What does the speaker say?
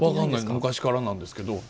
昔からなんですけど。